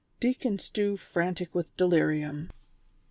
DEACON STEW FRANTIC WITH DELIRIUM.